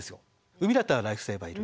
海だったらライフセーバーいる。